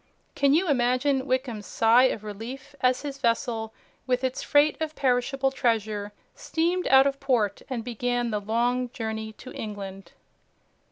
Can you imagine Wickham's sigh of relief as his vessel, with its freight of perishable treasure, steamed out of port, and began the long journey to England?